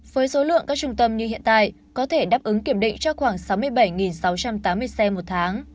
với số lượng các trung tâm như hiện tại có thể đáp ứng kiểm định cho khoảng sáu mươi bảy sáu trăm tám mươi xe một tháng